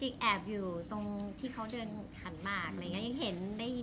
ก็มีน้ำตาซึม